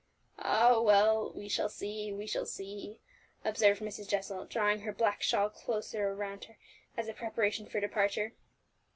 "Ah, well, we shall see, we shall see," observed Mrs. Jessel, drawing her black shawl closer around her, as a preparation for departure.